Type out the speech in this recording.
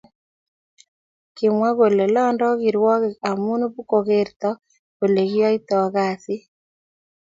Kimwa kole lando kirwakik amu pko kerto olekiyayto kasit